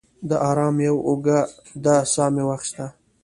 د ارام یوه اوږده ساه مې واخیسته.